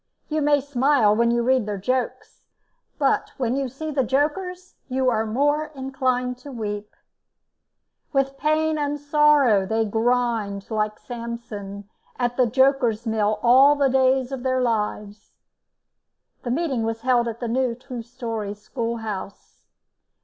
You may smile when you read their jokes, but when you see the jokers you are more inclined to weep. With pain and sorrow they grind, like Samson, at the jokers' mill all the days of their lives. The meeting was held in the new two storey school house.